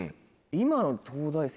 今の東大生。